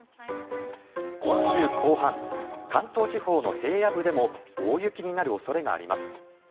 今週後半関東地方の平野部でも大雪になる恐れがあります。